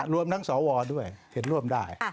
รวมทั้งสวด้วยเห็นร่วมได้